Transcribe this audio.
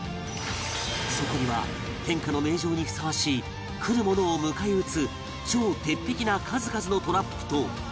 そこには天下の名城にふさわしい来る者を迎え撃つ超鉄壁な数々のトラップと